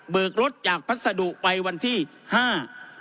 กรถจากพัสดุไปวันที่ห้า